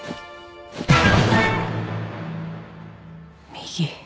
右。